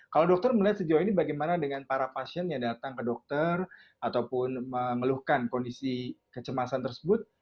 kalau dokter melihat sejauh ini bagaimana dengan para pasien yang datang ke dokter ataupun mengeluhkan kondisi kecemasan tersebut